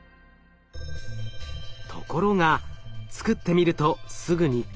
ところがつくってみるとすぐに課題が。